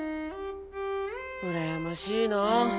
うらやましいなあ。